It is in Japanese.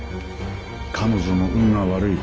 彼女も運が悪い。